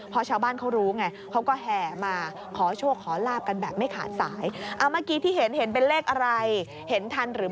พอชาวบ้าน